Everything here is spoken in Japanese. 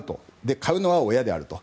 買うのは親であると。